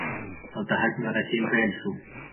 او د حج مراسم پیل شو